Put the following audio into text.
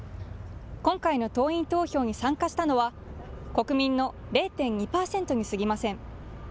今回の党員投票に参加したのは、国民の０．２％にすぎません。